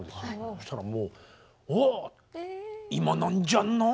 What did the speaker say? そしたらもう「おお今なんじゃない？」